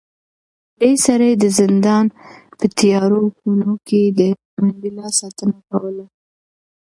دې سړي د زندان په تیارو خونو کې د منډېلا ساتنه کوله.